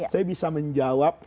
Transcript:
saya bisa menjawab